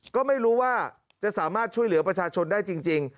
ก็ไม่รู้ว่าจะสามารถช่วยเหลือประชาชนได้จริง